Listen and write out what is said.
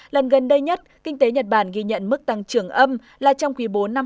lần gần đây nhất kinh tế nhật bản ghi nhận mức tăng trưởng âm là trong quý iv năm hai nghìn một mươi năm